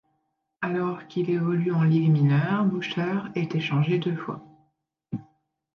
Alors qu'il évolue en ligues mineures, Buchter est échangé deux fois.